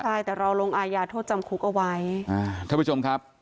ใช่แต่เราลงอายาโทษจำคุกเอาไว้อ่าท่านผู้ชมครับ